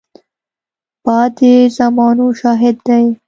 باد د زمانو شاهد دی